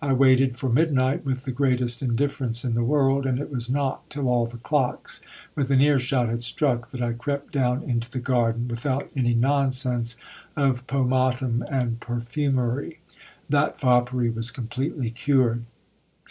I wa ted for midnight with the greatest indifference in the world, and it was not till all the clocks within ear shot had struck that I crept down into the garden, wit lout any nonsense of pomatum and perfumery. That foppery was com pleiely cured.